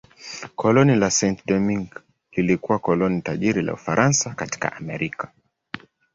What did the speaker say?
Koloni la Saint-Domingue lilikuwa koloni tajiri la Ufaransa katika Amerika.